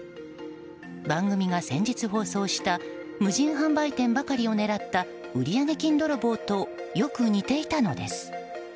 番組が先日放送した無人販売店ばかりを狙った売上金泥棒とよく似ていたのです。